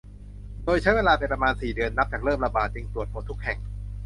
โดยใช้เวลาไปประมาณสี่เดือนนับจากเริ่มระบาด จึงตรวจหมดทุกแห่ง